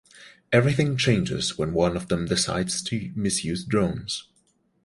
Everything changes when one of them decides to misuse drones.